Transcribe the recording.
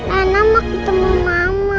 rena mau ketemu mama